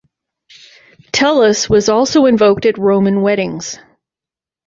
Tellus was also invoked at Roman weddings.